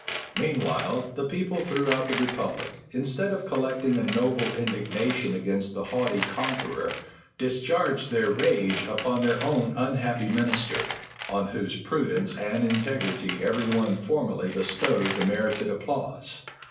Meanwhile the people throughout the republic, instead of collecting a noble indignation against the haughty conqueror discharged their rage upon their own unhappy minister, on whose prudence and integrity every one formerly bestowed the merited applause.